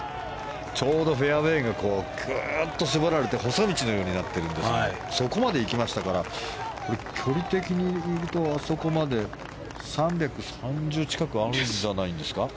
ちょうどフェアウェーがグッと絞られて細道のようになってるんですがそこまで行きましたから距離的にいうとあそこまで３３０近くあるんじゃないですか。